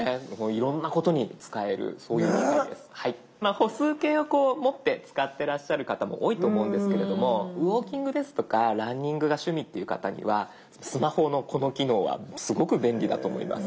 歩数計を持って使ってらっしゃる方も多いと思うんですけれどもウオーキングですとかランニングが趣味っていう方にはスマホのこの機能はすごく便利だと思います。